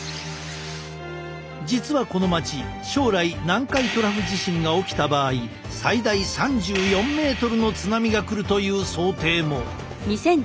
実はこの町将来南海トラフ地震が起きた場合最大３４ｍの津波が来るという想定も。